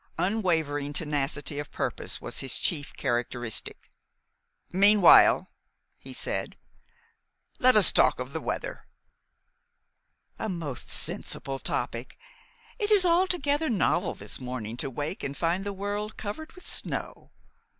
Unwavering tenacity of purpose was his chief characteristic. "Meanwhile," he said, "let us talk of the weather." "A most seasonable topic. It was altogether novel this morning to wake and find the world covered with snow."